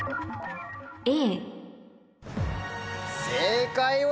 正解は？